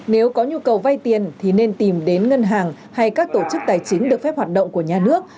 nếu có nhu cầu vay tiền thì nên tìm đến ngân hàng hay các tổ chức tài chính được phép hoạt động của nhà nước